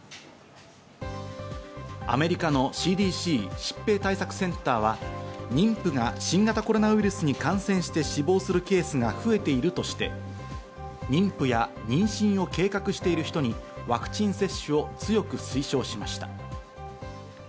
アメリカのＣＤＣ＝疾病対策センターは妊婦が新型コロナウイルスに感染して死亡するケースが増えているとして、妊婦や妊娠を計画している人にワクチン接種を強く推奨しました。